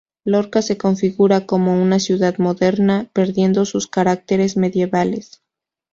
Lorca se configura como una ciudad moderna, perdiendo sus caracteres medievales.